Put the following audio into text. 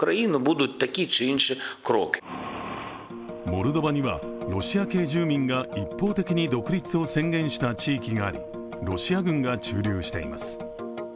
モルドバにはロシア系住民が一方的に独立を宣言した地域があり、ロシア軍が駐留しています。